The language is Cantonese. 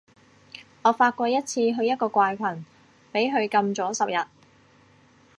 我發過一次去一個怪群，畀佢禁咗十日